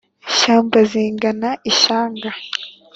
shyamba zigana ishyanga